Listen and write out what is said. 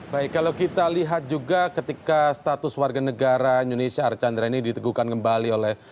baik kalau kita lihat juga ketika status warga negara indonesia archandra ini ditegukan kembali oleh